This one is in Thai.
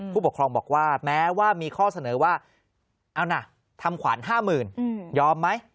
ผู้ปกครองบอกว่าแม้ว่ามีข้อเสนอว่าเอานะทำขวัญ๕๐๐๐ยอมไหม